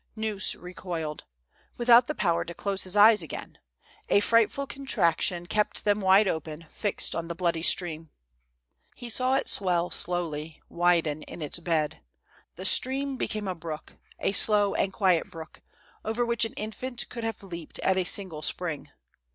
Gneuss re coiled, without the power to close his eyes again ; a frightful contraction kept them wide open, fixed on the bloody stream. 282 THE soldiers' DREAMS. He saw it swell it slowly, widen in its bed. The stream became a brook, a slow and quiet brook, over which an infant could have leaped at a single spring.